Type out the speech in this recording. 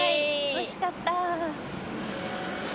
おいしかった。